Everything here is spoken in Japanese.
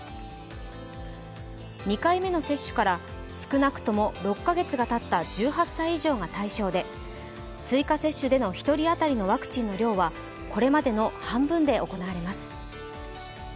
２回目の接種から少なくとも６カ月がたった１８歳以上が対象で、追加接種での１人当たりのワクチンの量はこれまでの半分で行われます。